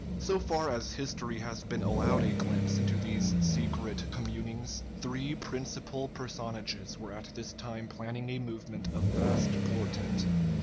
So far as history has been allowed a glimpse into these secret communings, three principal personages were at this time planning a movement of vast portent.